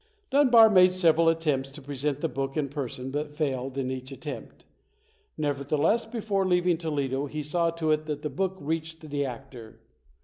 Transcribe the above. Dunbar made several attempts to pre PAUL LAURENCE DUNBAR [ 53 sent the book in person but failed in each attempt. Nevertheless, before leaving Toledo, he saw to it that the book reached the actor.